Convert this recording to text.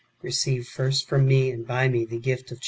Eeceive first from me and by me [the gift of] Charis.